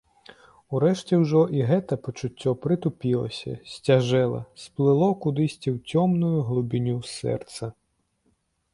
Урэшце ўжо і гэта пачуццё прытупілася, сцяжэла, сплыло кудысьці ў цёмную глыбіню сэрца.